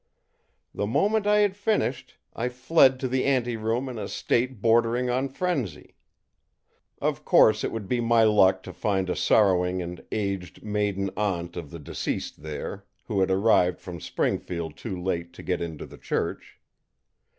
The moment I had finished, I fled to the anteroom in a state bordering on frenzy. Of course it would be my luck to find a sorrowing and aged maiden aunt of the deceased there, who had arrived from Springfield too late to get into the church.